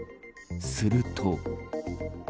すると。